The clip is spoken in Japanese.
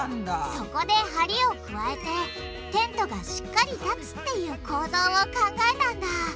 そこで梁を加えてテントがしっかり立つっていう構造を考えたんだ。